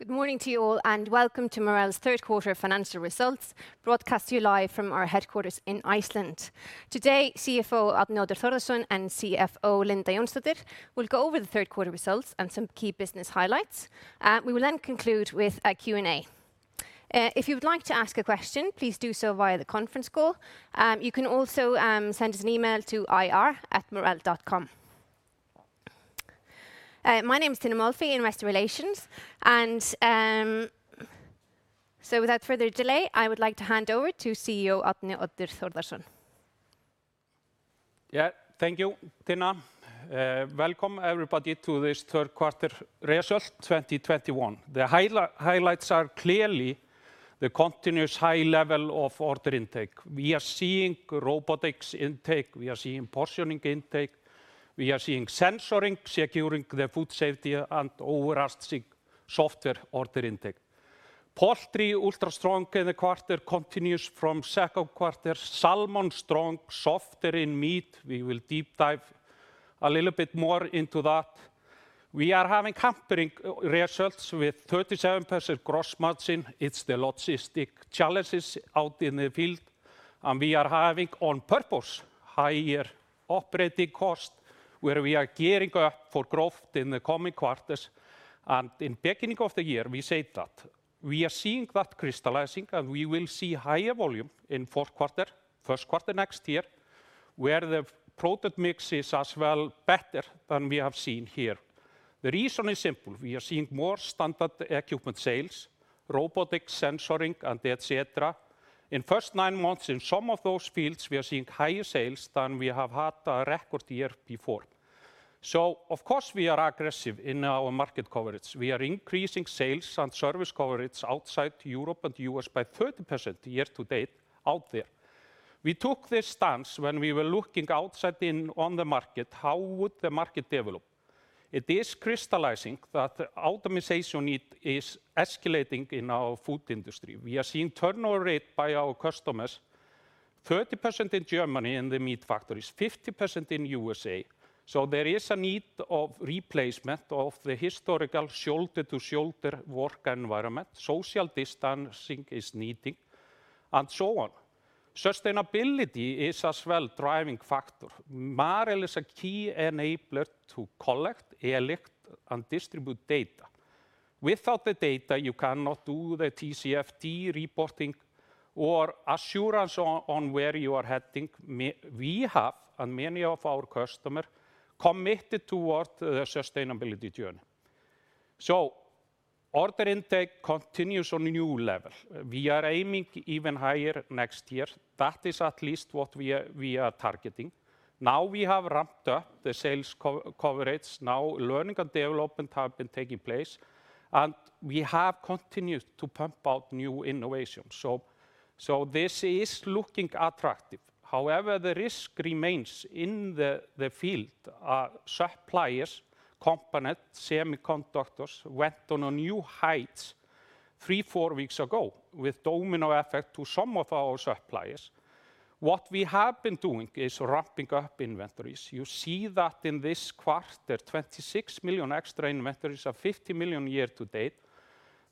Good morning to you all, and welcome to Marel's third quarter financial results, broadcast to you live from our headquarters in Iceland. Today, Chief Executive Officer EO Árni Oddur Þórðarson and CFO Linda Jónsdóttir will go over the third quarter results and some key business highlights. We will then conclude with a Q&A. If you would like to ask a question, please do so via the conference call. You can also send us an email to ir@marel.com. My name is Tinna Molphy, investor relations. Without further delay, I would like to hand over to CEO Árni Oddur Þórðarson. Thank you, Tinna. Welcome everybody to this third quarter result 2021. The highlights are clearly the continuous high level of order intake. We are seeing robotics intake, we are seeing portioning intake, we are seeing sensoring, securing the food safety, and overall seeing software order intake. Poultry ultra strong in the quarter, continues from second quarter. Salmon strong, softer in meat. We will deep dive a little bit more into that. We are having hampering results with 37% gross margin. It's the logistic challenges out in the field. We are having, on purpose, higher operating cost, where we are gearing up for growth in the coming quarters. In beginning of the year, we said that. We are seeing that crystallizing, we will see higher volume in fourth quarter, first quarter next year, where the product mix is as well better than we have seen here. The reason is simple. We are seeing more standard equipment sales, robotics, sensoring, et cetera. In first nine months, in some of those fields, we are seeing higher sales than we have had our record year before. Of course, we are aggressive in our market coverage. We are increasing sales and service coverage outside Europe and U.S. by 30% year-to-date out there. We took this stance when we were looking outside in on the market, how would the market develop? It is crystallizing that the automization need is escalating in our food industry. We are seeing turnover rate by our customers, 30% in Germany in the meat factories, 50% in U.S. There is a need of replacement of the historical shoulder to shoulder work environment. Social distancing is needing and so on. Sustainability is as well driving factor. Marel is a key enabler to collect, elect, and distribute data. Without the data, you cannot do the Task Force on Climate-related Financial Disclosures reporting or assurance on where you are heading. We have, and many of our customers, committed toward the sustainability journey. Order intake continues on a new level. We are aiming even higher next year. That is at least what we are targeting. Now we have ramped up the sales coverage. Now learning and development have been taking place, and we have continued to pump out new innovations. This is looking attractive. However, the risk remains in the field. Our suppliers, components, semiconductors, went on a new high three, four weeks ago, with domino effect to some of our suppliers. What we have been doing is ramping up inventories. You see that in this quarter, 26 million extra inventories of 50 million year to date.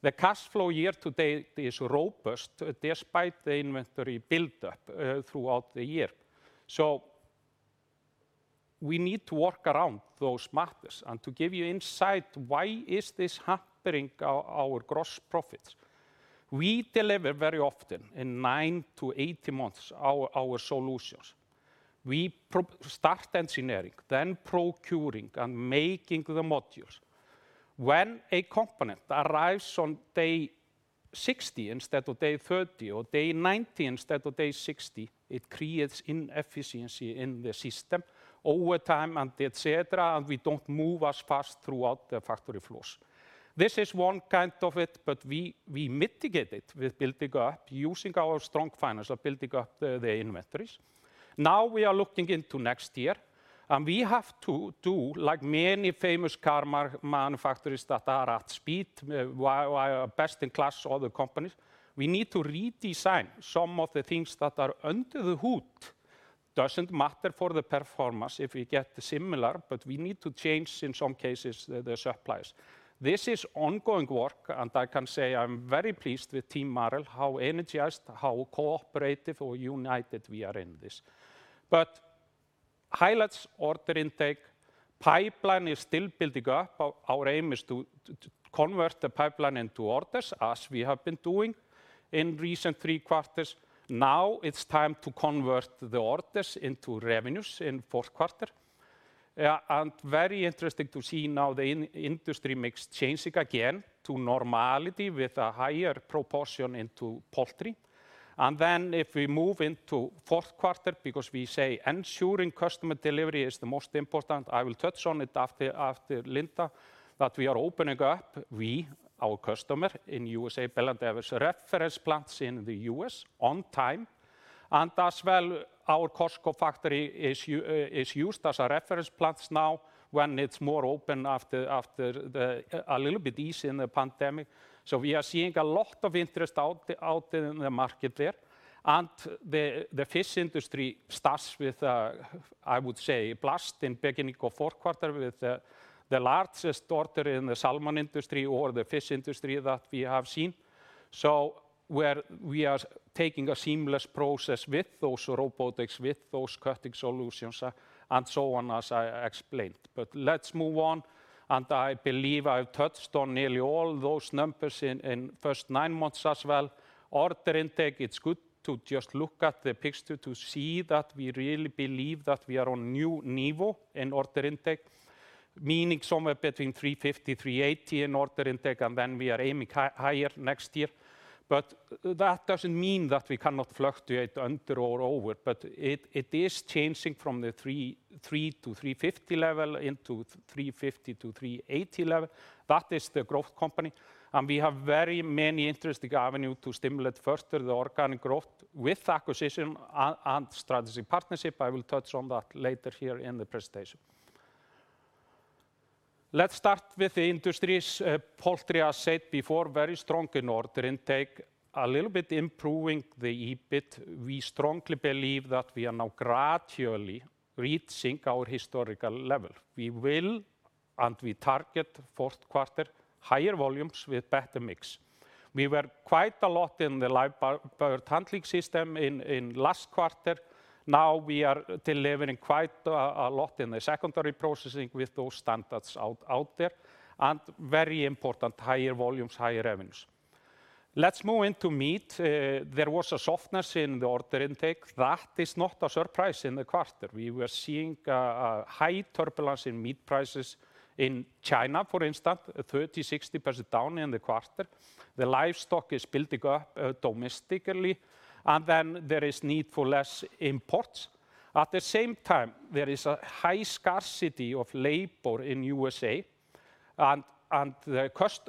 The cash flow year to date is robust despite the inventory buildup throughout the year. We need to work around those matters. To give you insight why is this hampering our gross profits, we deliver very often in 9-18 months our solutions. We start engineering, then procuring and making the modules. When a component arrives on day 60 instead of day 30 or day 90 instead of day 60, it creates inefficiency in the system, overtime, and et cetera, and we don't move as fast throughout the factory floors. This is one kind of it, but we mitigate it with building up, using our strong financial, building up the inventories. We are looking into next year, and we have to do like many famous car manufacturers that are at speed, best in class other companies, we need to redesign some of the things that are under the hood. Doesn't matter for the performance if we get similar, but we need to change, in some cases, the suppliers. This is ongoing work, and I can say I'm very pleased with Team Marel, how energized, how cooperative or united we are in this. Highlights order intake. Pipeline is still building up. Our aim is to convert the pipeline into orders, as we have been doing in recent three quarters. It's time to convert the orders into revenues in fourth quarter. Very interesting to see now the industry mix changing again to normality with a higher proportion into poultry. If we move into fourth quarter, because we say ensuring customer delivery is the most important, I will touch on it after Linda, that we are opening up our customer in U.S., Bell & Evans reference plants in the U.S. on time. As well, our Costco factory is used as a reference plant now when it's more open after a little bit ease in the pandemic. We are seeing a lot of interest out in the market there. The fish industry starts with, I would say, blast in beginning of fourth quarter with the largest order in the salmon industry or the fish industry that we have seen. We are taking a seamless process with those robotics, with those cutting solutions, and so on, as I explained. Let's move on, and I believe I've touched on nearly all those numbers in first nine months as well. Order intake, it's good to just look at the picture to see that we really believe that we are on new level in order intake, meaning somewhere between 350 million, 380 million in order intake, and then we are aiming higher next year. That doesn't mean that we cannot fluctuate under or over, but it is changing from the 300 million-350 million level into 350 million-380 million level. That is the growth company. We have very many interesting avenue to stimulate further the organic growth with acquisition and strategy partnership. I will touch on that later here in the presentation. Let's start with the industries. Poultry, I said before, very strong in order intake. A little bit improving the EBIT. We strongly believe that we are now gradually reaching our historical level. We will and we target fourth quarter higher volumes with better mix. We were quite a lot in the live bird handling system in last quarter. Now we are delivering quite a lot in the secondary processing with those standards out there. Very important, higher volumes, higher revenues. Let's move into Marel Meat. There was a softness in the order intake. That is not a surprise in the quarter. We were seeing high turbulence in meat prices in China, for instance, 30%-60% down in the quarter. The livestock is building up domestically, and then there is need for less imports. At the same time, there is a high scarcity of labor in USA, and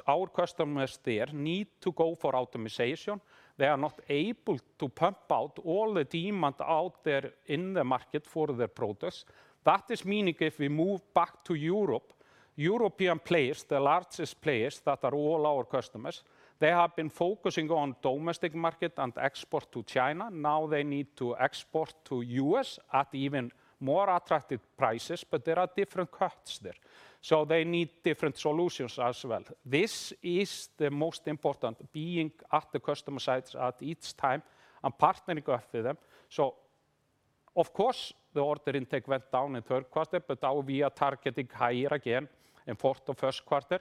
our customers there need to go for automation. They are not able to pump out all the demand out there in the market for their products. That is meaning if we move back to Europe, European players, the largest players that are all our customers, they have been focusing on domestic market and export to China. Now they need to export to U.S. at even more attractive prices, but there are different cuts there. They need different solutions as well. This is the most important, being at the customer sites at each time and partnering up with them. Of course, the order intake went down in third quarter, but now we are targeting higher again in fourth or first quarter.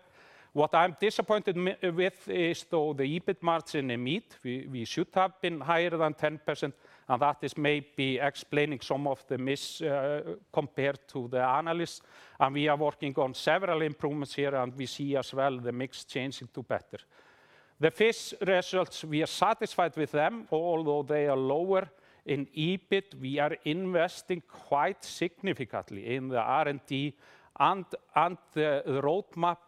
What I'm disappointed with is, though, the EBIT margin in meat. We should have been higher than 10%, and that is maybe explaining some of the miss compared to the analysts. We are working on several improvements here, and we see as well the mix changing to better. The fish results, we are satisfied with them, although they are lower in EBIT. We are investing quite significantly in the R&D and the roadmap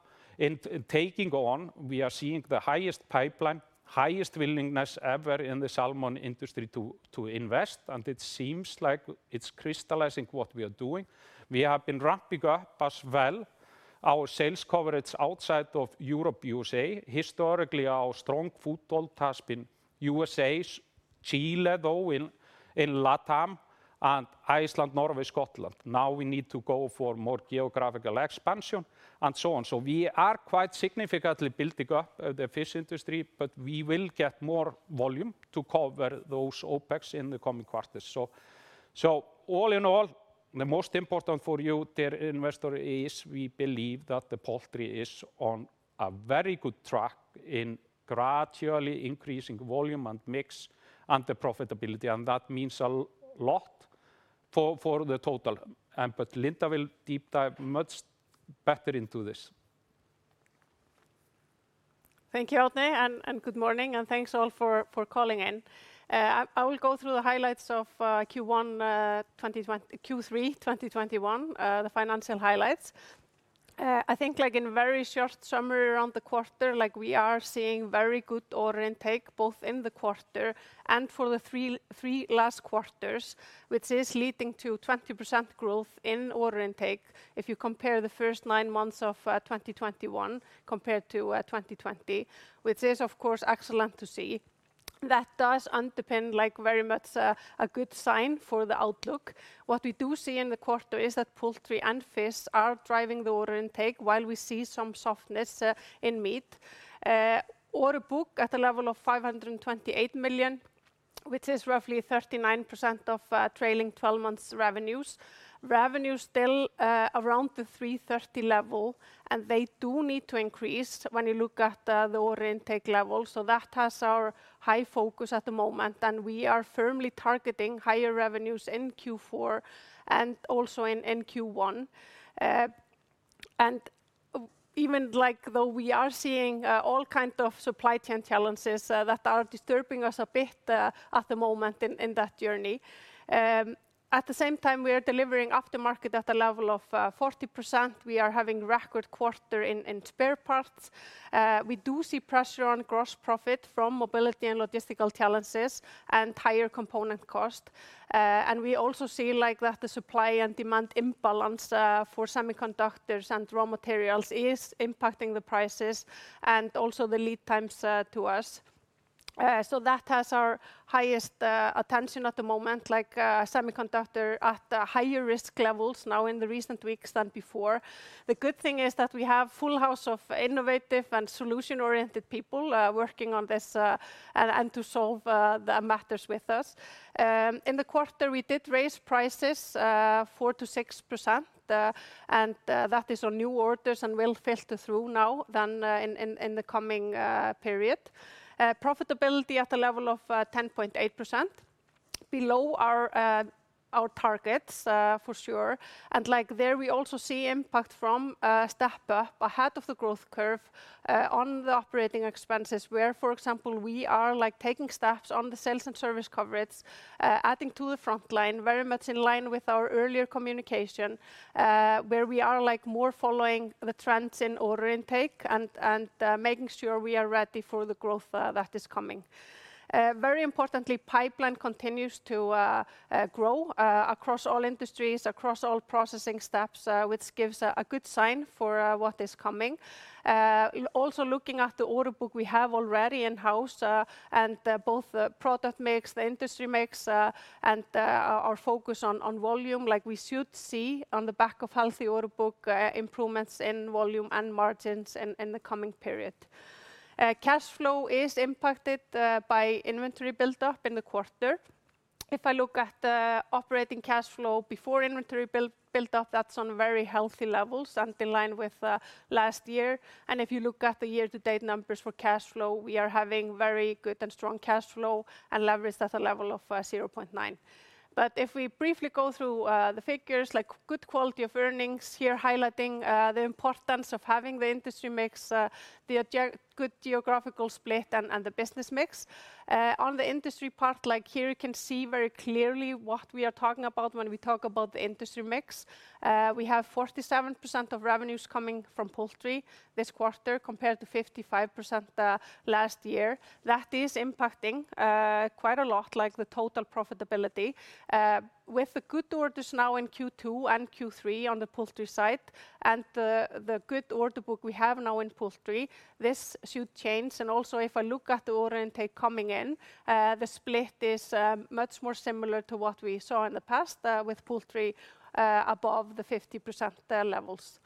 in taking on, we are seeing the highest pipeline, highest willingness ever in the salmon industry to invest, and it seems like it's crystallizing what we are doing. We have been ramping up as well our sales coverage outside of Europe, U.S.A. Historically, our strong foothold has been U.S.A., Chile, though, in Latin America, Iceland, Norway, and Scotland. Now we need to go for more geographical expansion, and so on. We are quite significantly building up the fish industry, but we will get more volume to cover those OpEx in the coming quarters. All in all, the most important for you dear investor is we believe that the poultry is on a very good track in gradually increasing volume and mix and the profitability, and that means a lot for the total. Linda Jónsdóttir will deep dive much better into this. Thank you, Árni Oddur, and good morning, and thanks all for calling in. I will go through the highlights of Q3 2021, the financial highlights. I think in very short summary around the quarter, we are seeing very good order intake, both in the quarter and for the three last quarters, which is leading to 20% growth in order intake. If you compare the first nine months of 2021 compared to 2020, which is, of course, excellent to see. That does underpin very much a good sign for the outlook. What we do see in the quarter is that poultry and fish are driving the order intake while we see some softness in meat. Order book at a level of 528 million, which is roughly 39% of trailing 12 months revenues. Revenue still around the 330 million level, and they do need to increase when you look at the order intake level. That has our high focus at the moment, and we are firmly targeting higher revenues in Q4 and also in Q1. Even though we are seeing all kind of supply chain challenges that are disturbing us a bit at the moment in that journey, at the same time, we are delivering aftermarket at a level of 40%. We are having record quarter in spare parts. We do see pressure on gross profit from mobility and logistical challenges and higher component cost. We also see that the supply and demand imbalance for semiconductors and raw materials is impacting the prices and also the lead times to us. That has our highest attention at the moment, like semiconductors at higher risk levels now in the recent weeks than before. The good thing is that we have full house of innovative and solution-oriented people working on this and to solve the matters with us. That is on new orders and will filter through now than in the coming period. Profitability at a level of 10.8%, below our targets for sure. There we also see impact from step-up ahead of the growth curve on the operating expenses where, for example, we are taking steps on the sales and service coverage, adding to the frontline, very much in line with our earlier communication, where we are more following the trends in order intake and making sure we are ready for the growth that is coming. Very importantly, pipeline continues to grow across all industries, across all processing steps, which gives a good sign for what is coming. Also looking at the order book we have already in house, and both the product mix, the industry mix, and our focus on volume, we should see on the back of healthy order book improvements in volume and margins in the coming period. Cash flow is impacted by inventory build-up in the quarter. If I look at the operating cash flow before inventory build-up, that's on very healthy levels and in line with last year. If you look at the year-to-date numbers for cash flow, we are having very good and strong cash flow and leverage at a level of 0.9. If we briefly go through the figures, good quality of earnings here highlighting the importance of having the industry mix, the good geographical split, and the business mix. On the industry part, here you can see very clearly what we are talking about when we talk about the industry mix. We have 47% of revenues coming from poultry this quarter compared to 55% last year. That is impacting quite a lot, the total profitability. With the good orders now in Q2 and Q3 on the poultry side and the good order book we have now in poultry, this should change. Also if I look at the order intake coming in, the split is much more similar to what we saw in the past with poultry above the 50% levels.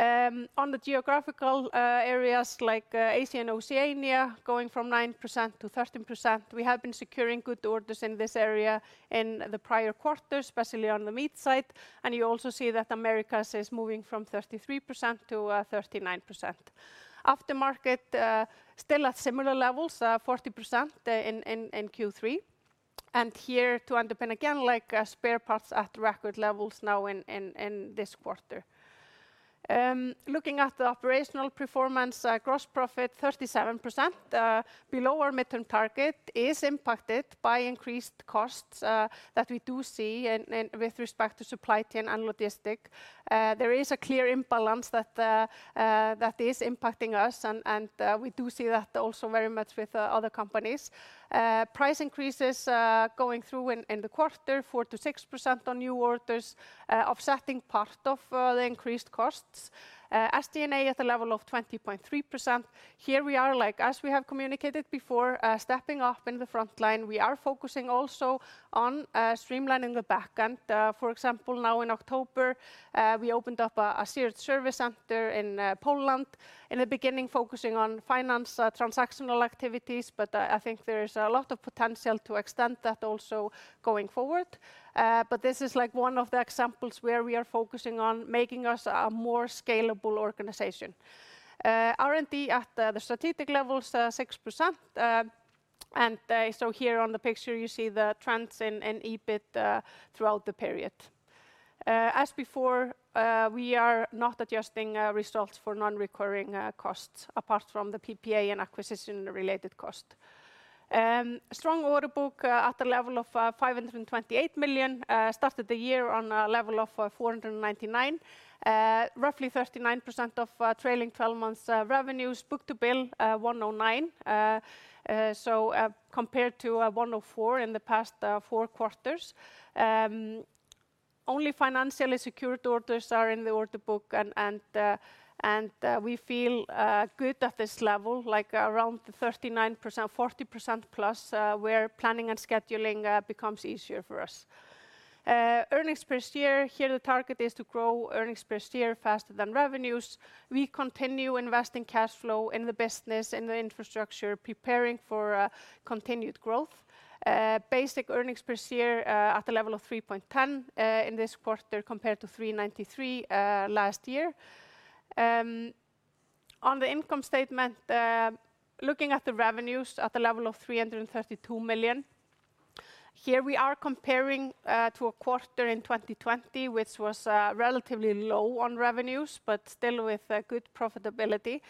On the geographical areas like Asia and Oceania going from 9-13%, we have been securing good orders in this area in the prior quarters, especially on the meat side. You also see that Americas is moving from 33%-39%. Aftermarket still at similar levels, 40% in Q3. Here to underpin again, spare parts at record levels now in this quarter. Looking at the operational performance, gross profit 37%, below our midterm target, is impacted by increased costs that we do see with respect to supply chain and logistics. There is a clear imbalance that is impacting us, we do see that also very much with other companies. Price increases going through in the quarter, 4%-6% on new orders, offsetting part of the increased costs. SG&A at a level of 20.3%. Here we are, as we have communicated before, stepping up in the frontline. We are focusing also on streamlining the back end. For example, now in October, we opened up a shared service center in Poland. In the beginning, focusing on finance transactional activities. I think there is a lot of potential to extend that also going forward. This is one of the examples where we are focusing on making us a more scalable organization. R&D at the strategic levels, 6%. Here on the picture, you see the trends in EBIT throughout the period. As before, we are not adjusting results for non-recurring costs apart from the Purchase Price Allocation and acquisition-related cost. Strong order book at a level of 528 million. Started the year on a level of 499 million. Roughly 39% of trailing 12 months revenues. Book-to-bill 1.09, so compared to 1.04 in the past four quarters. Only financially secured orders are in the order book and we feel good at this level, around the 39%, 40%+, where planning and scheduling becomes easier for us. Earnings per share, here the target is to grow earnings per share faster than revenues. We continue investing cash flow in the business and the infrastructure, preparing for continued growth. Basic earnings per share at a level of 3.10 in this quarter compared to 3.93 last year. On the income statement, looking at the revenues at a level of 332 million. Here we are comparing to a quarter in 2020, which was relatively low on revenues, but still with good profitability.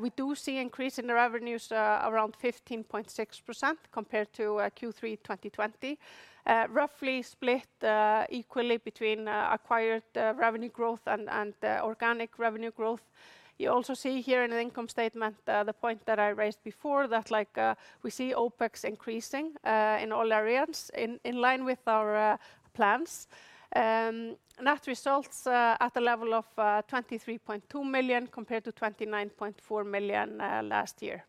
We do see increase in the revenues around 15.6% compared to Q3 2020, roughly split equally between acquired revenue growth and organic revenue growth. You also see here in the income statement, the point that I raised before that we see OpEx increasing in all areas in line with our plans. Net results at the level of 23.2 million compared to 29.4 million last year.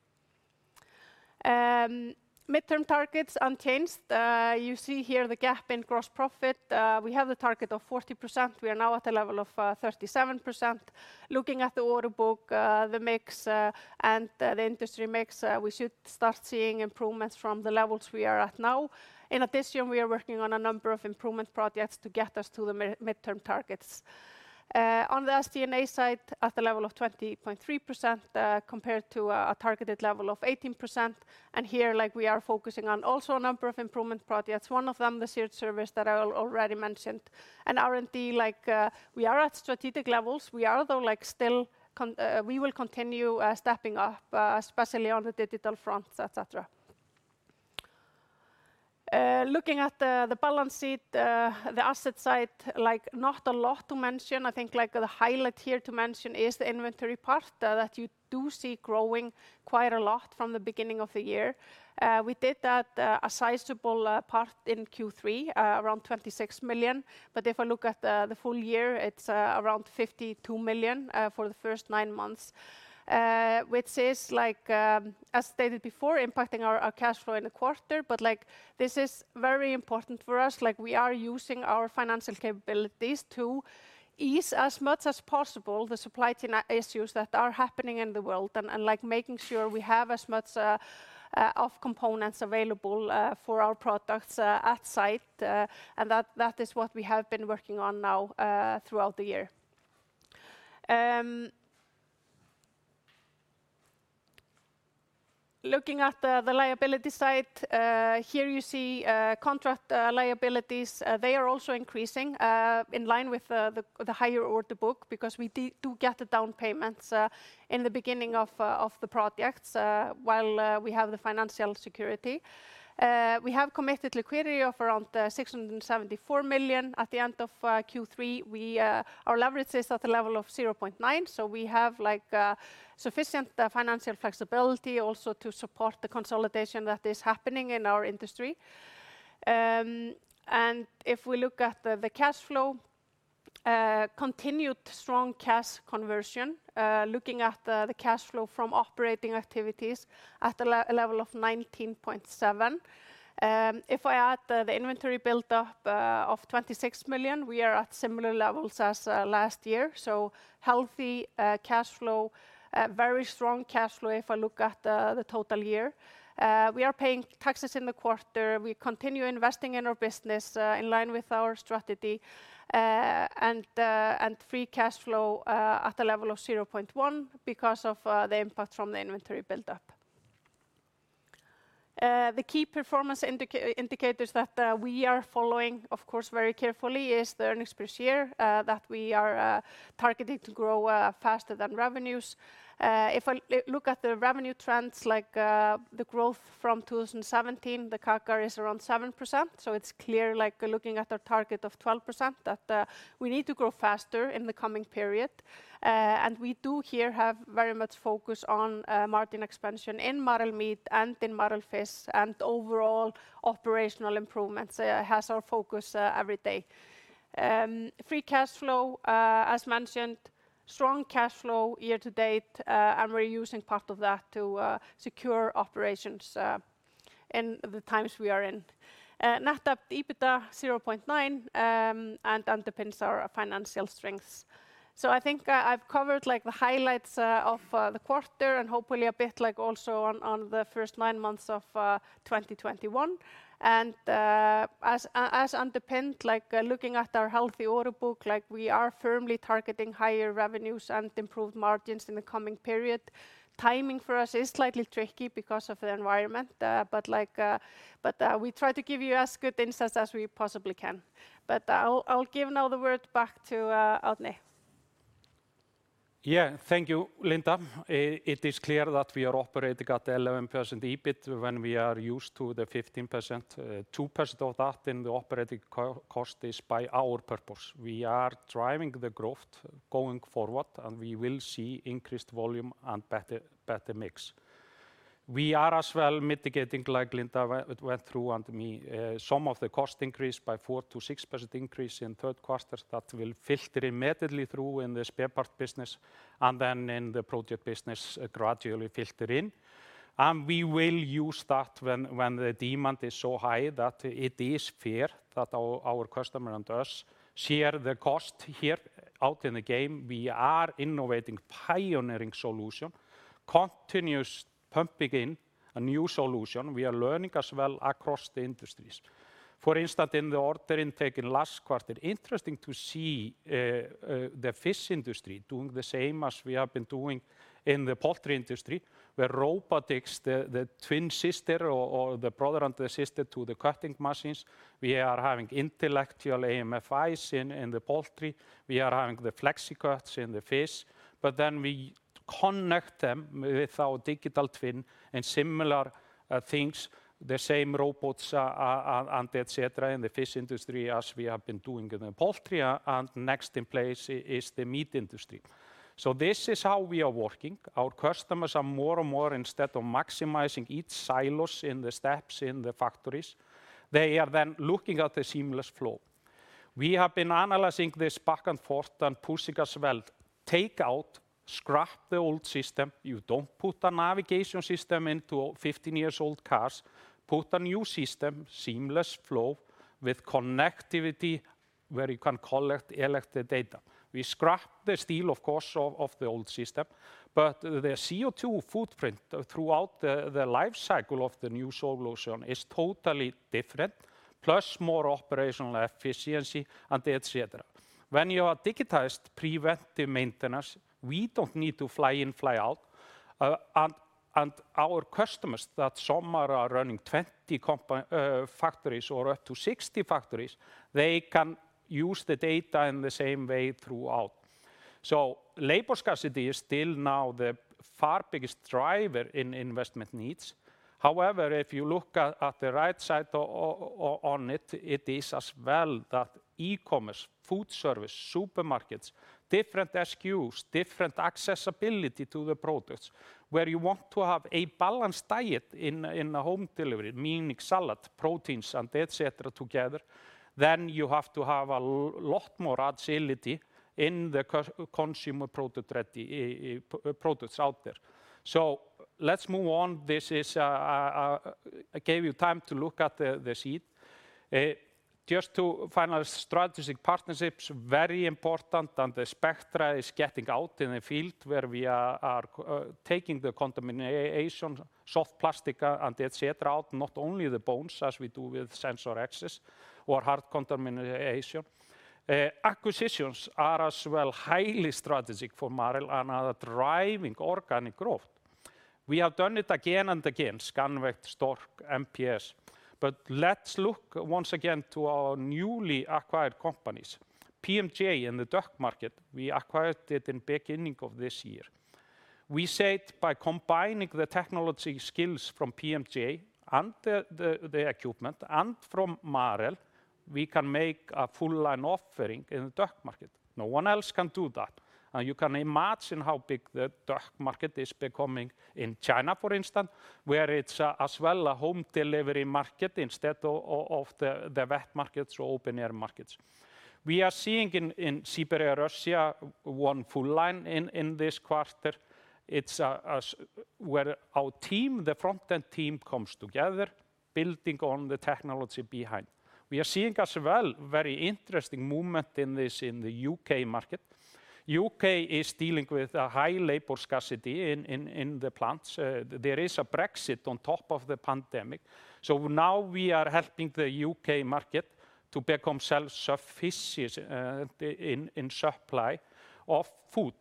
Midterm targets unchanged. You see here the gap in gross profit. We have the target of 40%. We are now at a level of 37%. Looking at the order book, the mix, and the industry mix, we should start seeing improvements from the levels we are at now. In addition, we are working on a number of improvement projects to get us to the midterm targets. On the SG&A side, at the level of 20.3%, compared to a targeted level of 18%. Here, we are focusing on also a number of improvement projects. One of them, the shared service that I already mentioned. In R&D, we are at strategic levels. We will continue stepping up, especially on the digital front, et cetera. Looking at the balance sheet, the asset side, not a lot to mention. I think the highlight here to mention is the inventory part that you do see growing quite a lot from the beginning of the year. We did that a sizable part in Q3, around 26 million. If I look at the full year, it's around 52 million for the first nine months, which is, as stated before, impacting our cash flow in the quarter. This is very important for us. We are using our financial capabilities to ease as much as possible the supply chain issues that are happening in the world and making sure we have as much of components available for our products at site. That is what we have been working on now throughout the year. Looking at the liability side, here you see contract liabilities. They are also increasing in line with the higher order book because we do get the down payments in the beginning of the projects while we have the financial security. We have committed liquidity of around 674 million at the end of Q3. Our leverage is at a level of 0.9, so we have sufficient financial flexibility also to support the consolidation that is happening in our industry. If we look at the cash flow, continued strong cash conversion, looking at the cash flow from operating activities at a level of 19.7. If I add the inventory buildup of 26 million, we are at similar levels as last year. Healthy cash flow, very strong cash flow if I look at the total year. We are paying taxes in the quarter. We continue investing in our business in line with our strategy, free cash flow at a level of 0.1 because of the impact from the inventory buildup. The key performance indicators that we are following of course, very carefully is the earnings per share that we are targeting to grow faster than revenues. If I look at the revenue trends, the growth from 2017, the Compound Annual Growth Rate is around 7%. It's clear, looking at our target of 12%, that we need to grow faster in the coming period. We do here have very much focus on margin expansion in Marel Meat and in Marel Fish, and overall operational improvements has our focus every day. Free cash flow, as mentioned, strong cash flow year to date, and we're using part of that to secure operations in the times we are in. Net Debt to EBITDA 0.9 and underpins our financial strengths. I think I've covered the highlights of the quarter and hopefully a bit also on the first nine months of 2021. As underpinned, looking at our healthy order book, we are firmly targeting higher revenues and improved margins in the coming period. Timing for us is slightly tricky because of the environment, but we try to give you as good insights as we possibly can. I'll give now the word back to Árni Oddur Þórðarson. Thank you, Linda. It is clear that we are operating at 11% EBIT when we are used to the 15%. 2% of that in the operating cost is by our purpose. We are driving the growth going forward, and we will see increased volume and better mix. We are as well mitigating, like Linda went through, and me, some of the cost increase by 4%-6% increase in third quarter that will filter immediately through in the spare part business and then in the project business gradually filter in. We will use that when the demand is so high that it is fair that our customer and us share the cost here out in the game. We are innovating pioneering solution, continuous pumping in a new solution. We are learning as well across the industries. For instance, in the order intake in last quarter, interesting to see the fish industry doing the same as we have been doing in the poultry industry, where robotics, the twin sister or the brother and the sister to the cutting machines, we are having intellectual Automated Breast Cap Filleting-i in the poultry. We are having the FleXicuts in the fish. We connect them with our digital twin and similar things, the same robots, et cetera, in the fish industry as we have been doing in the poultry, and next in place is the meat industry. This is how we are working. Our customers are more and more, instead of maximizing each silos in the steps in the factories, they are then looking at the seamless flow. We have been analyzing this back and forth and pushing as well. Take out, scrap the old system. You don't put a navigation system into 15-year-old cars. Put a new system, seamless flow with connectivity where you can collect the data. We scrap the steel, of course, of the old system, but the CO2 footprint throughout the life cycle of the new solution is totally different, plus more operational efficiency and et cetera. When you are digitized preventive maintenance, we don't need to fly in, fly out. Our customers that some are running 20 factories or up to 60 factories, they can use the data in the same way throughout. Labor scarcity is still now the far biggest driver in investment needs. However, if you look at the right side on it is as well that e-commerce, food service, supermarkets, different Stock Keeping Units, different accessibility to the products, where you want to have a balanced diet in a home delivery, meaning salad, proteins, and et cetera together, then you have to have a lot more agility in the consumer products out there. Let's move on. I gave you time to look at the sheet. Just to finalize strategic partnerships, very important, and the Spectra is getting out in the field where we are taking the contamination, soft plastic, and et cetera out, not only the bones as we do with SensorX or hard contamination. Acquisitions are as well highly strategic for Marel and are driving organic growth. We have done it again and again, Scanvaegt, Stork, and Meat Processing Systems. Let's look once again to our newly acquired companies. Poultry Machinery Joosten in the duck market, we acquired it in beginning of this year. We said by combining the technology skills from PMJ and the equipment and from Marel, we can make a full line offering in the duck market. No one else can do that. You can imagine how big the duck market is becoming in China, for instance, where it is as well a home delivery market instead of the wet markets or open air markets. We are seeing in Siberia, Russia, one full line in this quarter. It is where our team, the front end team, comes together building on the technology behind. We are seeing as well very interesting movement in the U.K. market. The U.K. is dealing with a high labor scarcity in the plants. There is a Brexit on top of the pandemic. Now we are helping the U.K. market to become self-sufficient in supply of food,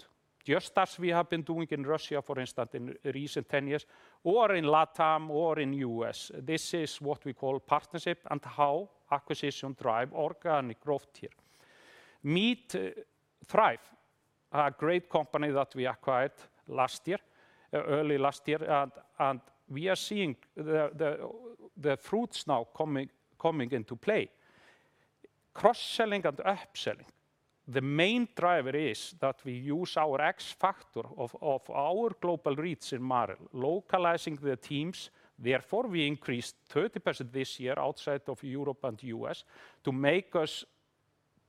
just as we have been doing in Russia, for instance, in recent 10 years or in LatAm or in U.S. This is what we call partnership and how acquisition drive organic growth here. Meat TREIF, a great company that we acquired early last year, and we are seeing the fruits now coming into play. Cross-selling and upselling. The main driver is that we use our X factor of our global reach in Marel, localizing the teams. Therefore, we increased 30% this year outside of Europe and U.S. to make us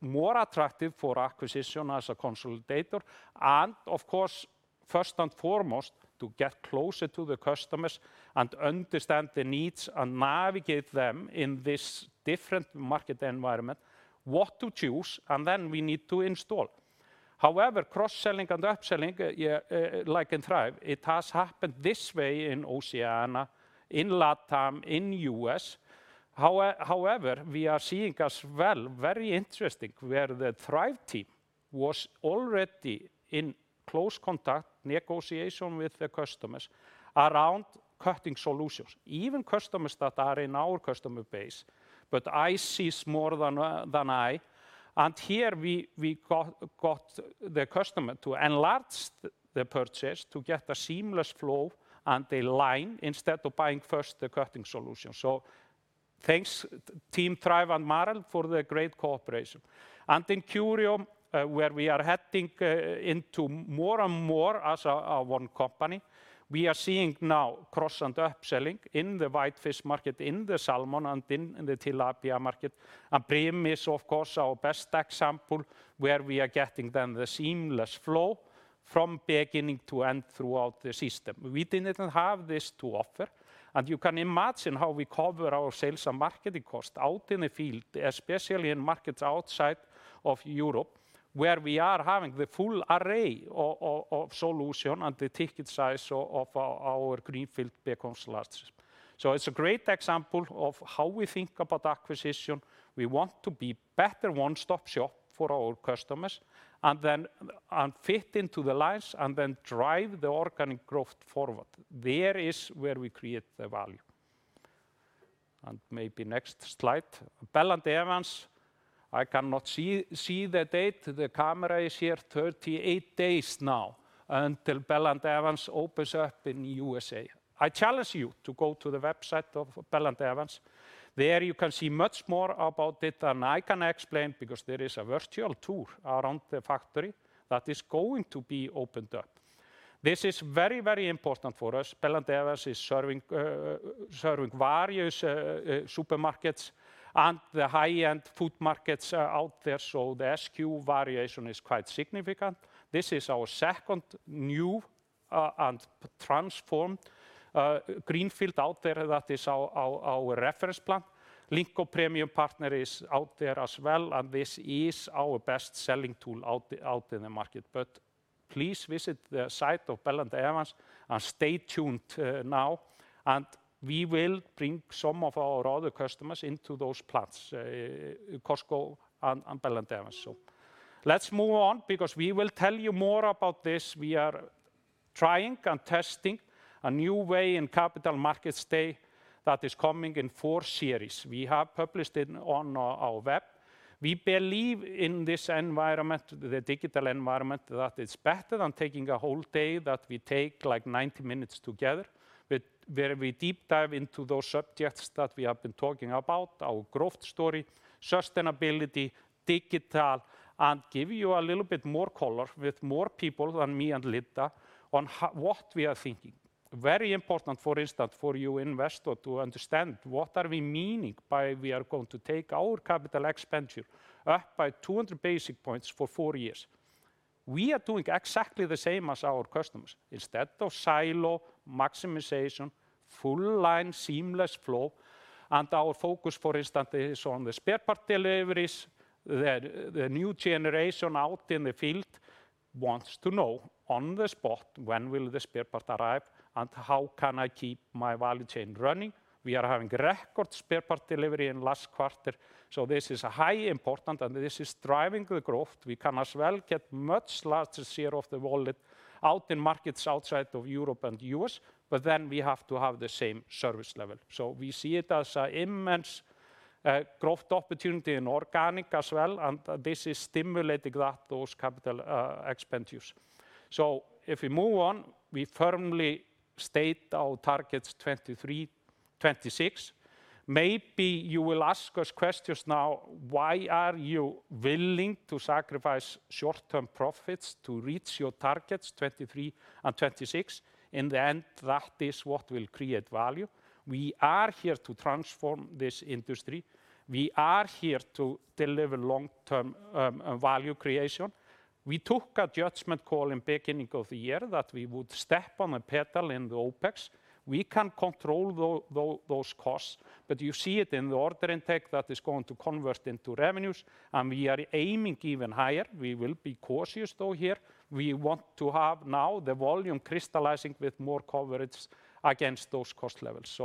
more attractive for acquisition as a consolidator and, of course, first and foremost, to get closer to the customers and understand their needs and navigate them in this different market environment, what to choose, and then we need to install. Cross-selling and upselling, like in TREIF, it has happened this way in Oceania, in LatAm, in U.S. We are seeing as well, very interesting, where the TREIF team was already in close contact negotiation with the customers around cutting solutions. Even customers that are in our customer base. Eyes sees more than I, and here we got the customer to enlarge the purchase to get a seamless flow and a line instead of buying first the cutting solution. Thanks Team TREIF and Marel for the great cooperation. In Curio, where we are heading into more and more as one company, we are seeing now cross and upselling in the whitefish market, in the salmon, and in the tilapia market. MPS is, of course, our best example, where we are getting then the seamless flow from beginning to end throughout the system. We didn't have this to offer, and you can imagine how we cover our sales and marketing cost out in the field, especially in markets outside of Europe, where we are having the full array of solution and the ticket size of our greenfield becomes large. It's a great example of how we think about acquisition. We want to be better one-stop shop for our customers and fit into the lines and then drive the organic growth forward. There is where we create the value. Maybe next slide. Bell & Evans, I cannot see the date. The camera is here 38 days now until Bell & Evans opens up in the U.S. I challenge you to go to the website of Bell & Evans. There you can see much more about it than I can explain because there is a virtual tour around the factory that is going to be opened up. This is very important for us. Bell & Evans is serving various supermarkets and the high-end food markets out there, so the SKU variation is quite significant. This is our second new and transformed greenfield out there that is our reference plant. Lincoln Premium Poultry is out there as well, and this is our best-selling tool out in the market. Please visit the site of Bell & Evans and stay tuned now, and we will bring some of our other customers into those plants, Costco and Bell & Evans. Let's move on because we will tell you more about this. We are trying and testing a new way in Capital Markets Day that is coming in four series. We have published it on our web. We believe in this environment, the digital environment, that it's better than taking a whole day, that we take 90 minutes together, where we deep dive into those subjects that we have been talking about, our growth story, sustainability, digital, and give you a little bit more color with more people than me and Linda on what we are thinking. Very important, for instance, for you investor to understand what are we meaning by we are going to take our capital expenditure up by 200 basis points for four years. We are doing exactly the same as our customers. Instead of silo maximization, full line seamless flow. Our focus, for instance, is on the spare part deliveries. The new generation out in the field wants to know on the spot, when will the spare part arrive and how can I keep my value chain running? We are having record spare part delivery in last quarter, so this is a highly important, and this is driving the growth. We can as well get much larger share of the wallet out in markets outside of Europe and U.S., but then we have to have the same service level. We see it as immense growth opportunity in organic as well, and this is stimulating that, those capital expenditures. If we move on, we firmly state our targets 2023, 2026. Maybe you will ask us questions now, why are you willing to sacrifice short-term profits to reach your targets 2023 and 2026? In the end, that is what will create value. We are here to transform this industry. We are here to deliver long-term value creation. We took a judgment call in beginning of the year that we would step on the pedal in the OpEx. We can control those costs, but you see it in the order intake that is going to convert into revenues, and we are aiming even higher. We will be cautious, though, here. We want to have now the volume crystallizing with more coverage against those cost levels.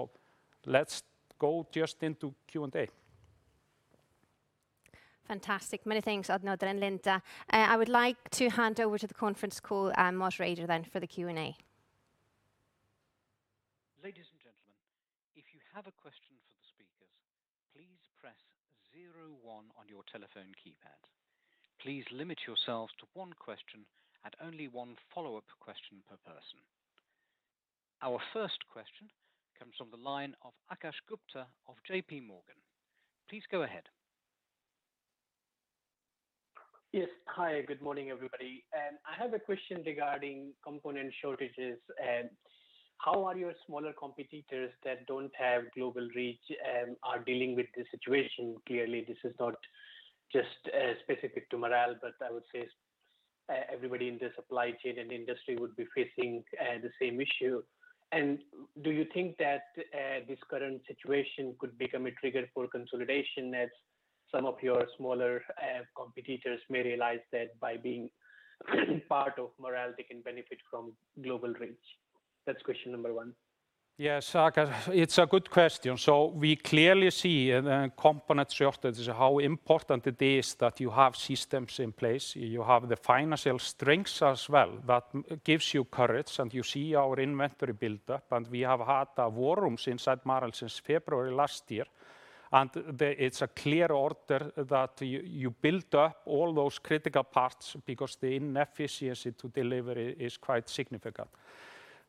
Let's go just into Q&A. Fantastic. Many thanks, Árni Oddur and Linda. I would like to hand over to the conference call moderator then for the Q&A. Ladies and gentlemen, if you have a question for the speakers, please press zero one on your telephone keypad. Please limit yourselves to one question and only one follow-up question per person. Our first question comes from the line of Akash Gupta of JPMorgan. Please go ahead. Yes. Hi, good morning, everybody. I have a question regarding component shortages. How are your smaller competitors that don't have global reach are dealing with this situation? Clearly, this is not just specific to Marel, but I would say everybody in the supply chain and industry would be facing the same issue. Do you think that this current situation could become a trigger for consolidation as some of your smaller competitors may realize that by being part of Marel, they can benefit from global reach? That's question number one. Akash, it's a good question. We clearly see in component shortages how important it is that you have systems in place. You have the financial strengths as well. That gives you courage, you see our inventory buildup, we have had war rooms inside Marel since February last year. It's a clear order that you build up all those critical parts because the inefficiency to delivery is quite significant.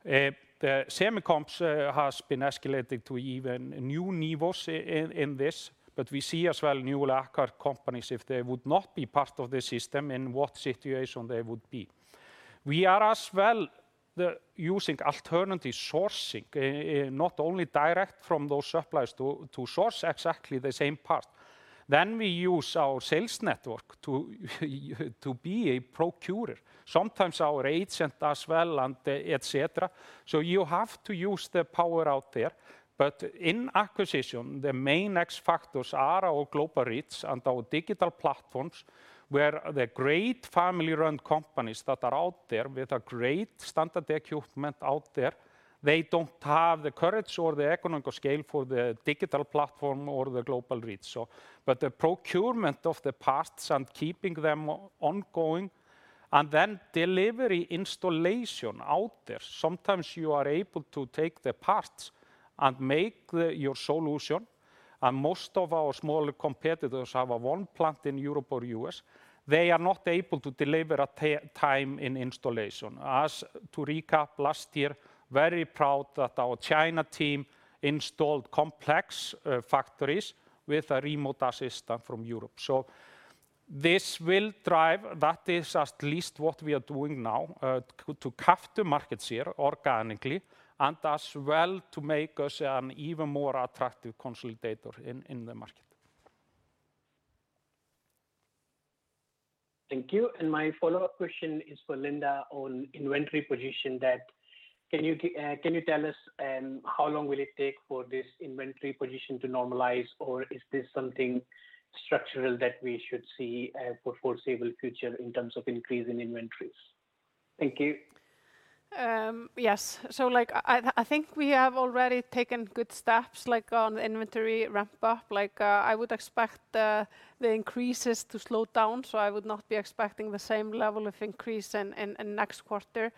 Semiconductors has been escalated to even new levels in this, we see as well new lacquer companies, if they would not be part of the system, in what situation they would be. We are as well using alternative sourcing, not only direct from those suppliers to source exactly the same part. We use our sales network to be a procurer, sometimes our agent as well and et cetera. You have to use the power out there. In acquisition, the main X factors are our global reach and our digital platforms, where the great family-run companies that are out there with a great standard equipment out there, they don't have the courage or the economic scale for the digital platform or the global reach. The procurement of the parts and keeping them ongoing and delivery installation out there. Sometimes you are able to take the parts and make your solution. And most of our smaller competitors have one plant in Europe or U.S. They are not able to deliver on time in installation. As to recap, last year, very proud that our China team installed complex factories with a remote assistant from Europe. This will drive, that is at least what we are doing now, to capture markets here organically and as well to make us an even more attractive consolidator in the market. Thank you. My follow-up question is for Linda on inventory position that, can you tell us how long will it take for this inventory position to normalize? Is this something structural that we should see for foreseeable future in terms of increase in inventories? Thank you. Yes. I think we have already taken good steps on the inventory ramp up. I would expect the increases to slow down, so I would not be expecting the same level of increase in next quarter.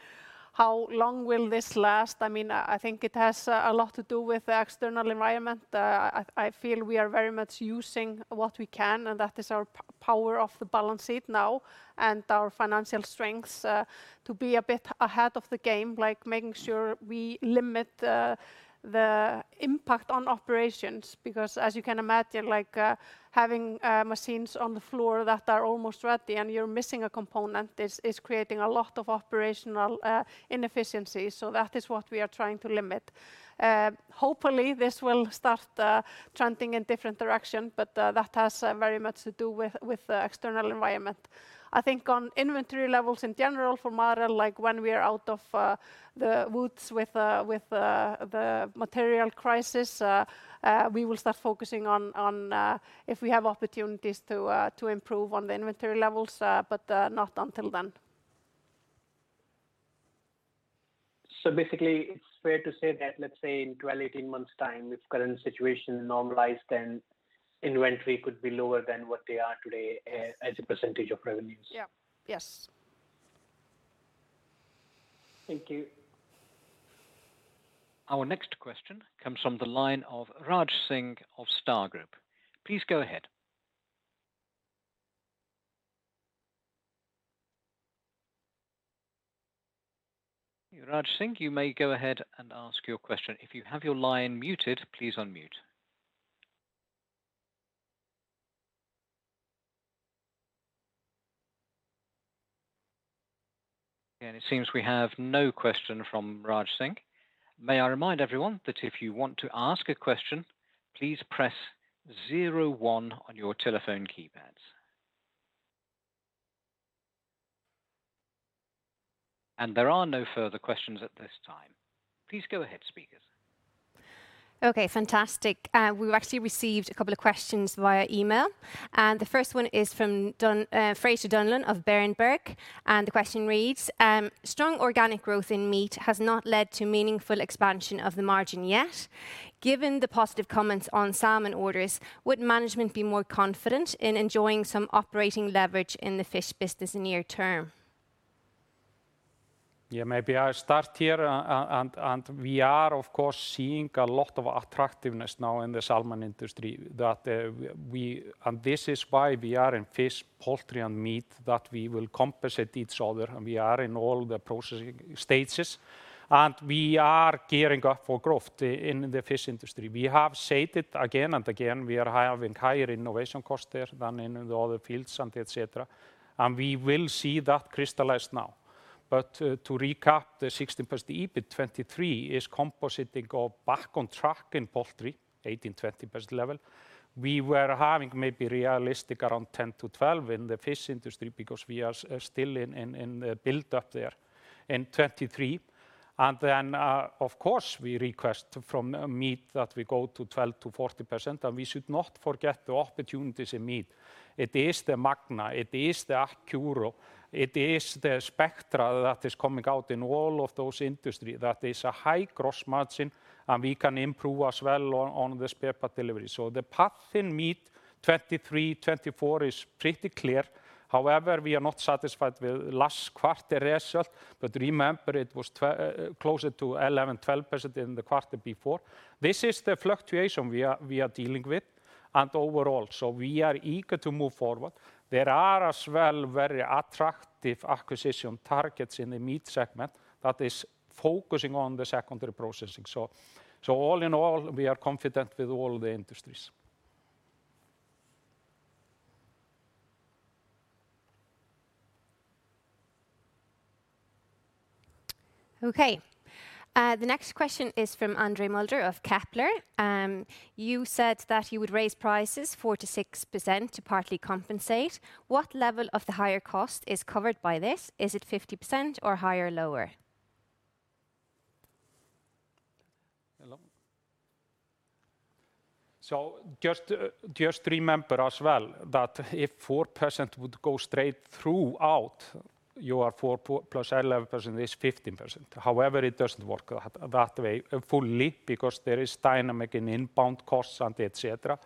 How long will this last? I think it has a lot to do with the external environment. I feel we are very much using what we can, and that is our power of the balance sheet now and our financial strengths to be a bit ahead of the game, making sure we limit the impact on operations. As you can imagine, having machines on the floor that are almost ready and you're missing a component is creating a lot of operational inefficiencies. That is what we are trying to limit. Hopefully, this will start trending in different direction, but that has very much to do with the external environment. I think on inventory levels in general for Marel, when we are out of the woods with the material crisis, we will start focusing on if we have opportunities to improve on the inventory levels. Not until then. Basically, it's fair to say that, let's say, in 12-18 months time, if current situation normalized, then inventory could be lower than what they are today as a percentage of revenues. Yeah. Yes. Thank you. Our next question comes from the line of Raj Singh of Star Group. Please go ahead. Raj Singh, you may go ahead and ask your question. If you have your line muted, please unmute. It seems we have no question from Raj Singh. May I remind everyone that if you want to ask a question, please press zero one on your telephone keypads. There are no further questions at this time. Please go ahead, speakers. Okay, fantastic. We've actually received a couple of questions via email, and the first one is from Fraser Donlon of Berenberg, and the question reads: Strong organic growth in meat has not led to meaningful expansion of the margin yet. Given the positive comments on salmon orders, would management be more confident in enjoying some operating leverage in the fish business near term? Yeah, maybe I start here. We are, of course, seeing a lot of attractiveness now in the salmon industry. This is why we are in fish, poultry, and meat, that we will compensate each other, and we are in all the processing stages. We are gearing up for growth in the fish industry. We have said it again and again, we are having higher innovation costs there than in the other fields and et cetera. We will see that crystallize now. To recap, the 16% EBIT 2023 is compensating go back on track in poultry, 18%-20% level. We were having maybe realistic around 10%-12% in the fish industry because we are still in the build up there in 2023. Of course, we request from meat that we go to 12%-40%, and we should not forget the opportunities in meat. It is the Magna, it is the Accuro, it is the Spectra that is coming out in all of those industries that is a high gross margin, and we can improve as well on the spare part delivery. The path in meat 2023, 2024 is pretty clear. However, we are not satisfied with last quarter result, but remember it was closer to 11%-12% in the quarter before. This is the fluctuation we are dealing with and overall. We are eager to move forward. There are as well very attractive acquisition targets in the meat segment that is focusing on the secondary processing. All in all, we are confident with all the industries. Okay. The next question is from Andre Mulder of Kepler. You said that you would raise prices 4%-6% to partly compensate. What level of the higher cost is covered by this? Is it 50% or higher or lower? Hello. Just remember as well that if 4% would go straight throughout your 4% + 11% is 15%. However, it doesn't work that way fully because there is dynamic in inbound costs and et cetera.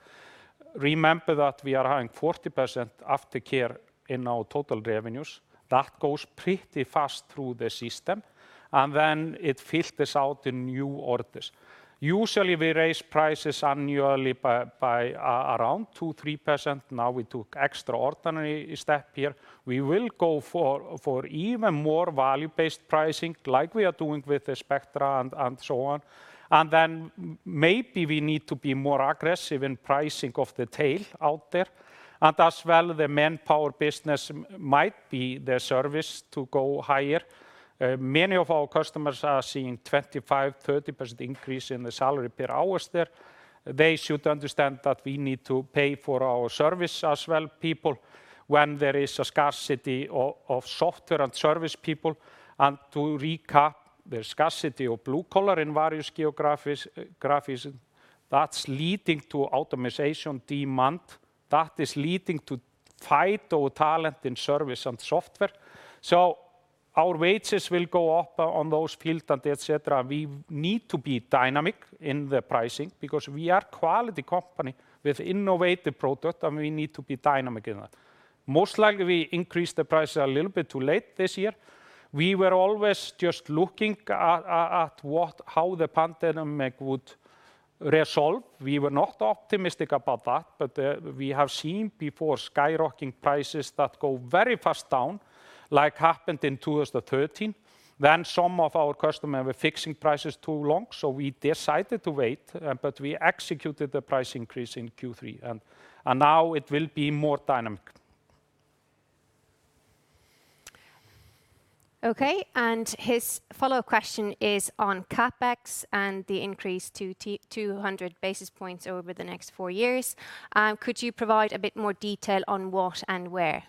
Remember that we are having 40% after care in our total revenues. That goes pretty fast through the system, then it filters out in new orders. Usually, we raise prices annually by around 2%-3%. Now we took extraordinary step here. We will go for even more value-based pricing like we are doing with the Spectra and so on. Then maybe we need to be more aggressive in pricing of the tail out there. As well, the manpower business might be the service to go higher. Many of our customers are seeing 25%-30% increase in the salary per hours there. They should understand that we need to pay for our service as well, people, when there is a scarcity of software and service people. To recap, the scarcity of blue collar in various geographies, that's leading to automation demand, that is leading to fight over talent in service and software. Our wages will go up on those fields and et cetera. We need to be dynamic in the pricing because we are quality company with innovative product, and we need to be dynamic in that. Most likely, we increase the price a little bit too late this year. We were always just looking at how the pandemic would resolve. We were not optimistic about that, but we have seen before skyrocketing prices that go very fast down, like happened in 2013. Some of our customers were fixing prices too long, so we decided to wait, but we executed the price increase in Q3. Now it will be more dynamic. Okay, his follow-up question is on CapEx and the increase to 200 basis points over the next four years. Could you provide a bit more detail on what and where?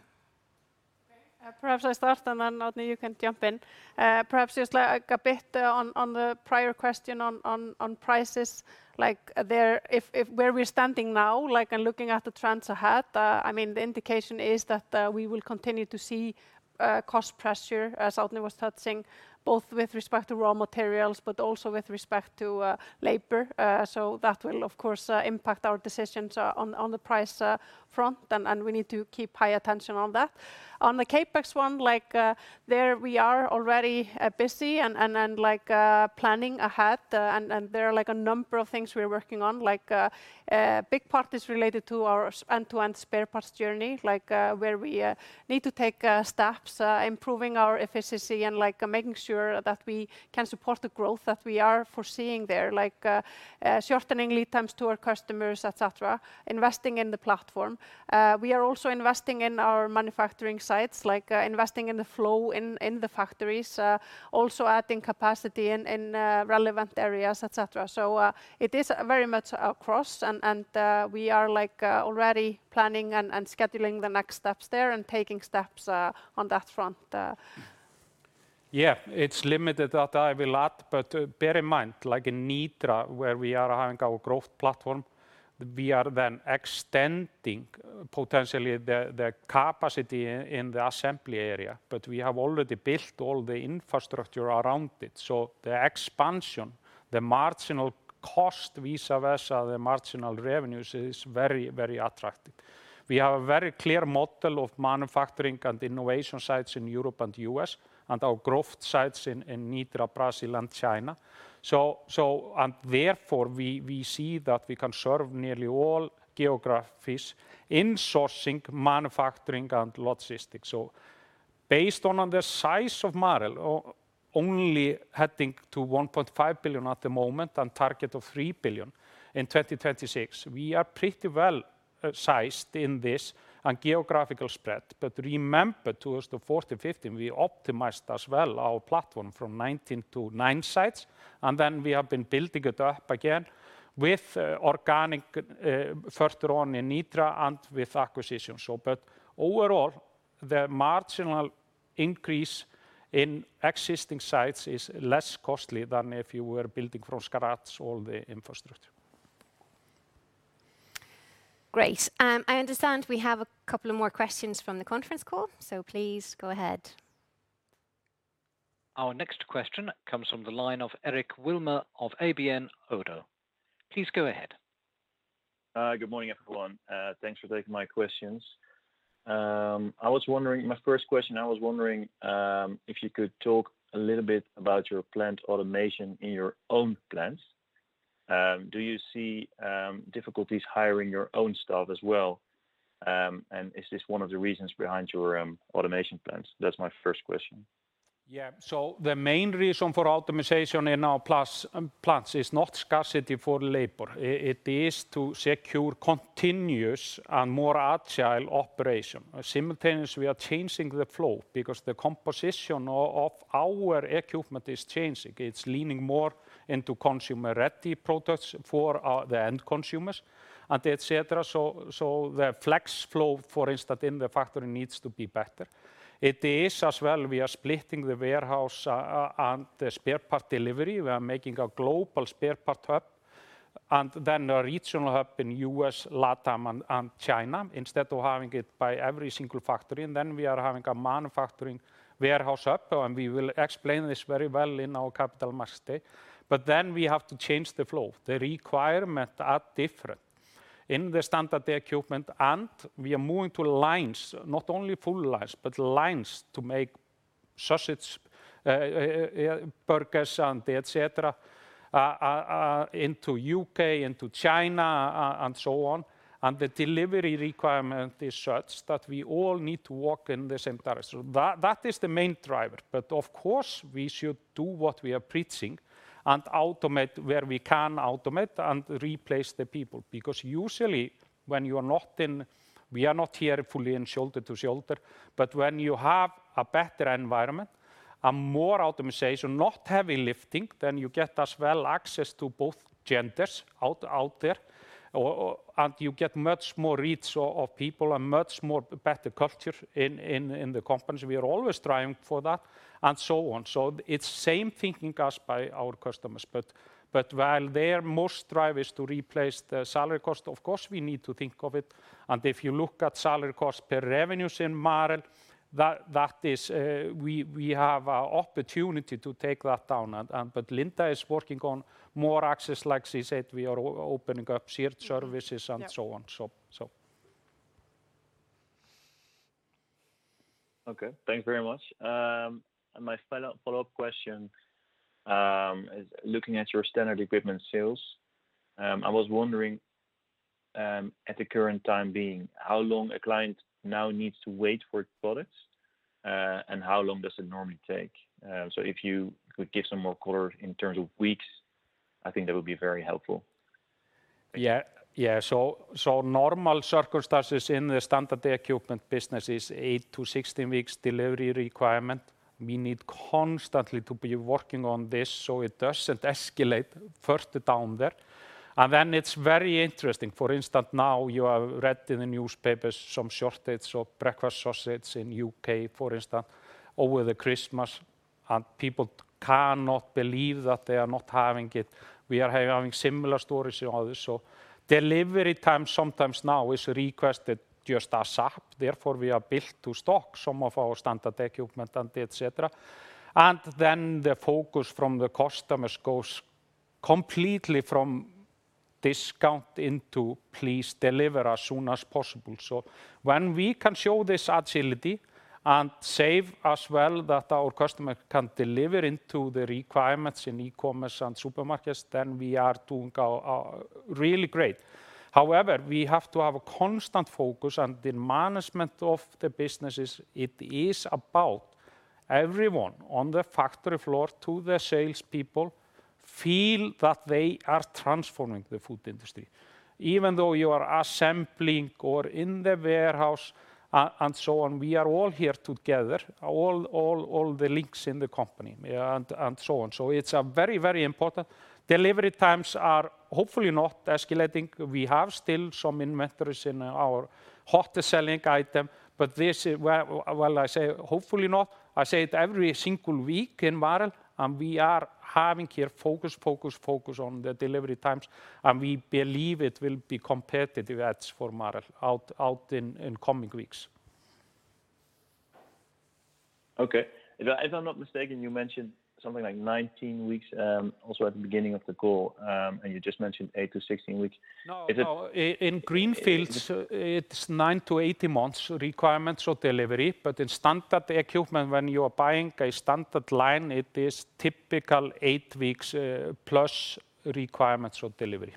Okay. Perhaps I start and then, Árni, you can jump in. Perhaps just a bit on the prior question on prices, where we're standing now and looking at the trends ahead, the indication is that we will continue to see cost pressure, as Árni was touching, both with respect to raw materials but also with respect to labor. That will, of course, impact our decisions on the price front, and we need to keep high attention on that. On the CapEx 1, there we are already busy and planning ahead, and there are a number of things we're working on, a big part is related to our end-to-end spare parts journey, where we need to take steps improving our efficiency and making sure that we can support the growth that we are foreseeing there, like shortening lead times to our customers, et cetera, investing in the platform. We are also investing in our manufacturing sites, investing in the flow in the factories, also adding capacity in relevant areas, et cetera. It is very much across, and we are already planning and scheduling the next steps there and taking steps on that front. Yeah. It's limited that I will add, but bear in mind, like in Nitra where we are having our growth platform, we are then extending potentially the capacity in the assembly area. We have already built all the infrastructure around it, so the expansion, the marginal cost, vis-a-vis the marginal revenues is very attractive. We have a very clear model of manufacturing and innovation sites in Europe and U.S., and our growth sites in Nitra, Brazil, and China. Therefore, we see that we can serve nearly all geographies in sourcing, manufacturing, and logistics. Based on the size of Marel, only heading to 1.5 billion at the moment and target of 3 billion in 2026, we are pretty well sized in this and geographical spread. Remember 2014, 2015, we optimized as well our platform from 19 to nine sites, and then we have been building it up again with organic further on in Nitra and with acquisitions. Overall, the marginal increase in existing sites is less costly than if you were building from scratch all the infrastructure. Great. I understand we have a couple of more questions from the conference call, so please go ahead. Our next question comes from the line of Eric Wilmer of ABN AMRO. Please go ahead. Good morning, everyone. Thanks for taking my questions. My first question, I was wondering if you could talk a little bit about your plant automation in your own plants. Do you see difficulties hiring your own staff as well? Is this one of the reasons behind your automation plans? That's my first question. Yeah. The main reason for automation in our plants is not scarcity for labor. It is to secure continuous and more agile operation. Simultaneously, we are changing the flow because the composition of our equipment is changing. It's leaning more into consumer-ready products for the end consumers, and et cetera. The flex flow, for instance, in the factory needs to be better. It is as well, we are splitting the warehouse and the spare part delivery. We are making a global spare part hub, a regional hub in U.S., LatAm, and China instead of having it by every single factory. We are having a manufacturing warehouse hub, and we will explain this very well in our Capital Markets Day. We have to change the flow. The requirement are different. In the standard equipment, we are moving to lines, not only full lines, but lines to make sausage, burgers, and et cetera, into the U.K., into China, and so on. The delivery requirement is such that we all need to work in the same direction. That is the main driver. Of course, we should do what we are preaching and automate where we can automate and replace the people. Usually when you are not here fully in shoulder to shoulder, but when you have a better environment and more optimization, not heavy lifting, then you get as well access to both genders out there, and you get much more reach of people and much more better culture in the company. We are always trying for that, and so on. It's same thinking as by our customers. While their most drive is to replace the salary cost, of course, we need to think of it, and if you look at salary cost per revenues in Marel, we have a opportunity to take that down. Linda is working on more access. Like she said, we are opening up shared services and so on. Okay. Thank you very much. My follow-up question is looking at your standard equipment sales. I was wondering, at the current time being, how long a client now needs to wait for products, and how long does it normally take? If you could give some more color in terms of weeks, I think that would be very helpful. Normal circumstances in the standard equipment business is 8-16 weeks delivery requirement. We need constantly to be working on this so it doesn't escalate further down there. It's very interesting. For instance, now you have read in the newspapers some shortage of breakfast sausage in U.K., for instance, over the Christmas, and people cannot believe that they are not having it. We are having similar stories on this. Delivery time sometimes now is requested just As Soon As Possible, therefore, we have built to stock some of our standard equipment and etcetera. The focus from the customers goes completely from discount into please deliver as soon as possible. When we can show this agility and save as well that our customer can deliver into the requirements in e-commerce and supermarkets, then we are doing really great. However, we have to have a constant focus and the management of the businesses, it is about everyone on the factory floor to the salespeople feel that they are transforming the food industry. Even though you are assembling or in the warehouse and so on, we are all here together, all the links in the company, and so on. It's very important. Delivery times are hopefully not escalating. We have still some inventories in our hottest selling item, but this is why, well, I say hopefully not. I say it every single week in Marel, and we are having here focus on the delivery times, and we believe it will be competitive edge for Marel out in coming weeks. Okay. If I'm not mistaken, you mentioned something like 19 weeks, also at the beginning of the call, and you just mentioned 8-16 weeks. Is it? No. In greenfields, it's 9-18 months requirements of delivery. In standard equipment, when you are buying a standard line, it is typical eight weeks plus requirements of delivery.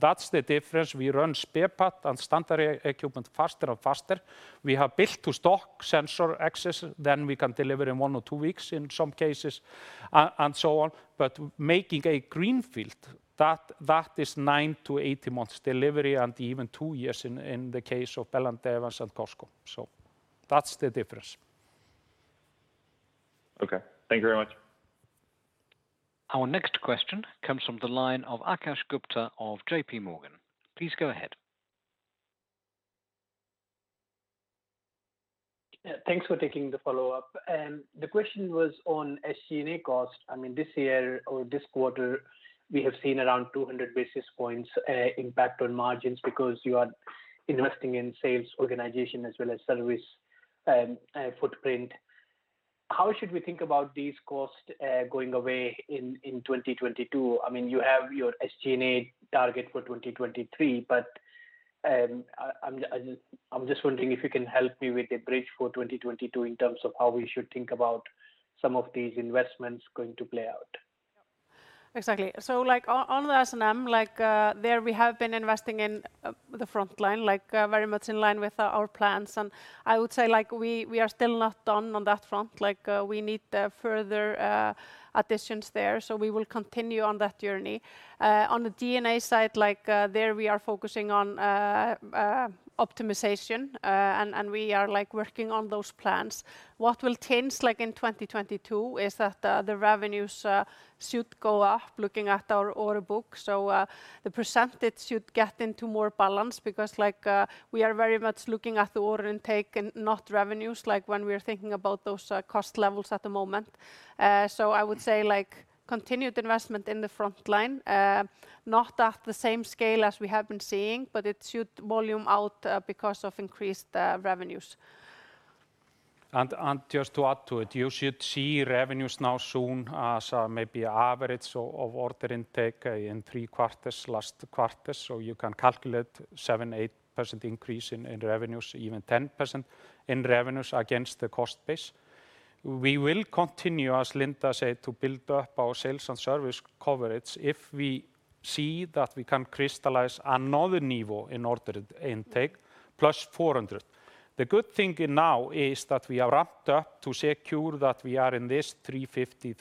That's the difference. We run spare part and standard equipment faster and faster. We have built to stock SensorX, then we can deliver in one or two weeks in some cases, and so on. Making a greenfield, that is 9-18 months delivery, and even two years in the case of Bell & Evans and Costco. That's the difference. Okay. Thank you very much. Our next question comes from the line of Akash Gupta of JPMorgan. Please go ahead. Thanks for taking the follow-up. The question was on SG&A cost. This year or this quarter, we have seen around 200 basis points impact on margins because you are investing in sales organization as well as service footprint. How should we think about these costs going away in 2022? You have your SG&A target for 2023. I'm just wondering if you can help me with a bridge for 2022 in terms of how we should think about some of these investments going to play out. Exactly. On the S&M, there we have been investing in the frontline, very much in line with our plans. I would say we are still not done on that front. We need further additions there. We will continue on that journey. On the G&A side, there we are focusing on optimization, and we are working on those plans. What will change in 2022 is that the revenues should go up looking at our order book. The % should get into more balance because we are very much looking at the order intake and not revenues when we are thinking about those cost levels at the moment. I would say continued investment in the frontline, not at the same scale as we have been seeing, but it should volume out because of increased revenues. Just to add to it, you should see revenues now soon as maybe average of order intake in three quarters, last quarter. You can calculate 7%-8% increase in revenues, even 10% in revenues against the cost base. We will continue, as Linda Jónsdóttir said, to build up our sales and service coverage if we see that we can crystallize another level in order intake, plus 400. The good thing now is that we are ramped up to secure that we are in this 350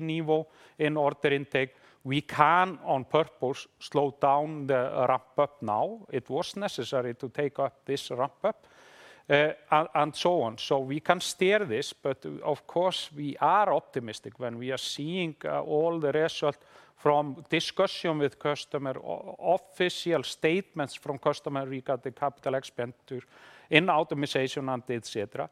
milllion-EUR 380 million level in order intake. We can, on purpose, slow down the ramp up now. It was necessary to take up this ramp up, and so on. We can steer this, but of course, we are optimistic when we are seeing all the result from discussion with customer, official statements from customer regarding capital expenditure in automization and et cetera.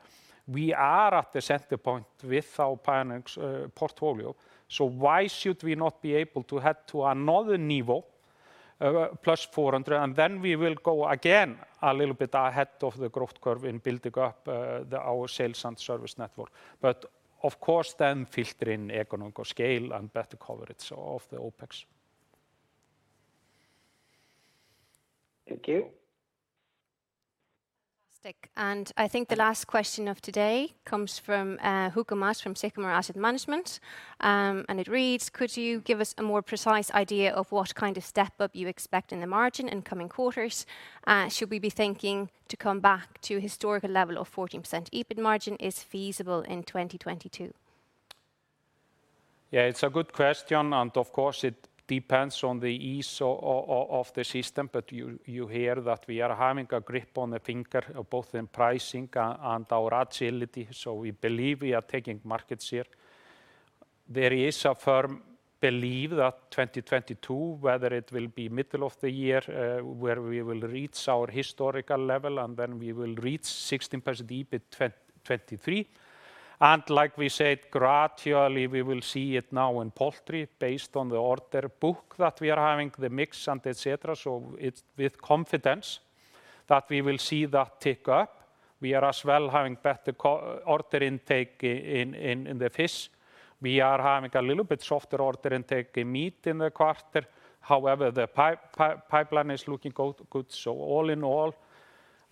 We are at the center point with our Planex portfolio. Why should we not be able to head to another level, +400, and then we will go again a little bit ahead of the growth curve in building up our sales and service network. Of course then filter in economic scale and better coverage of the OpEx Thank you. Fantastic. I think the last question of today comes from Hugo Mas from Sycamore Asset Management, and it reads, "Could you give us a more precise idea of what kind of step-up you expect in the margin in coming quarters? Should we be thinking to come back to historical level of 14% EBIT margin is feasible in 2022?" Yeah, it's a good question, and of course, it depends on the ease of the system, but you hear that we are having a grip on the finger, both in pricing and our agility. We believe we are taking markets here. There is a firm belief that 2022, whether it will be middle of the year, where we will reach our historical level, and then we will reach 16% EBIT 2023. Like we said, gradually, we will see it now in poultry based on the order book that we are having, the mix and et cetera. It's with confidence that we will see that tick up. We are as well having better order intake in the fish. We are having a little bit softer order intake in meat in the quarter. However, the pipeline is looking good. All in all,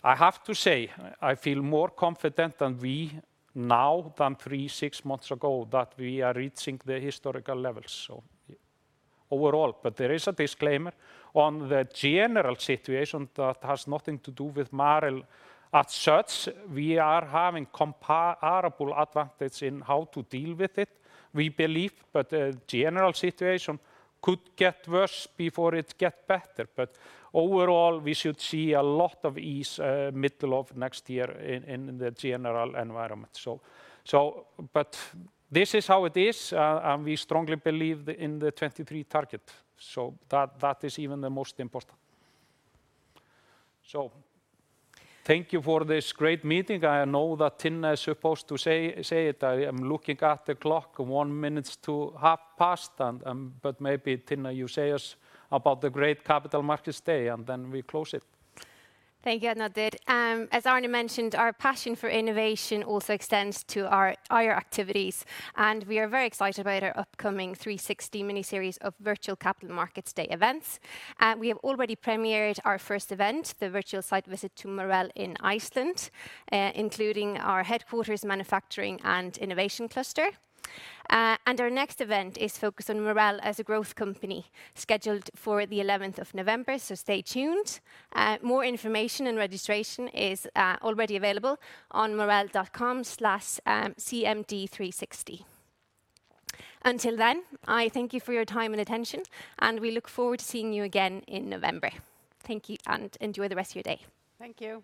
I have to say, I feel more confident than we now than theee, six months ago that we are reaching the historical levels. Overall, there is a disclaimer on the general situation that has nothing to do with Marel as such. We are having comparable advantage in how to deal with it, we believe, but the general situation could get worse before it get better. Overall, we should see a lot of ease middle of next year in the general environment. This is how it is, and we strongly believe in the 2023 target. That is even the most important. Thank you for this great meeting. I know that Tinna is supposed to say it. I am looking at the clock, one minute to half past, but maybe Tinna, you tell us about the great Capital Markets Day, and then we close it. Thank you, Árni. As Árni mentioned, our passion for innovation also extends to our IR activities, and we are very excited about our upcoming 360 mini-series of virtual Capital Markets Day events. We have already premiered our first event, the virtual site visit to Marel in Iceland, including our headquarters, manufacturing, and innovation cluster. Our next event is focused on Marel as a growth company, scheduled for the 11th of November. Stay tuned. More information and registration is already available on marel.com/CMD360. Until then, I thank you for your time and attention, and we look forward to seeing you again in November. Thank you, and enjoy the rest of your day. Thank you.